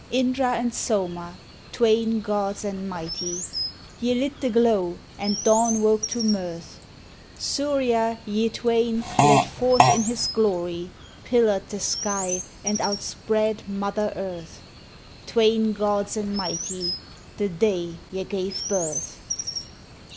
Indra and Soma, Twain gods and mighty; Ye lit the Glow and Dawn woke to mirth; Surya, ye Twain, led forth in his glory, Pillared the Sky and outspread mother Earth ;— Twain gods and mighty, the Day ye gave birth!